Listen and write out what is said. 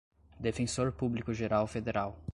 defensor público-geral federal